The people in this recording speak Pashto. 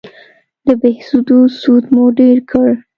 د بهسودو سود مو ډېر کړ